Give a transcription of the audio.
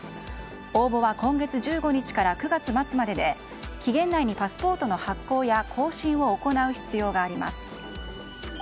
応募は今月１５日から９月末までで期限内にパスポートの発行や更新を行う必要があります。